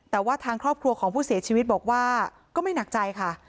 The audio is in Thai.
แต่ว่าทางครอบครัวของผู้เสียชีวิตบอกว่าก็ไม่หนักใจค่ะ